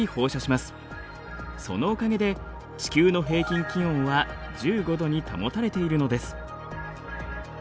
そのおかげで地球の平均気温は１５度に保たれているのです。